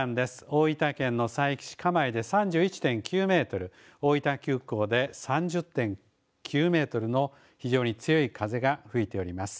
大分県の佐伯市蒲江で３１．９メートル、大分空港で３０．９メートルの非常に強い風が吹いております。